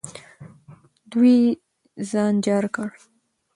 دوی ځان جار کړ.